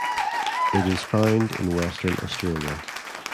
It is found in Western Australia.